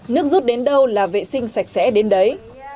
nước rút đến đâu là vệ sinh sạch sẽ đến đấy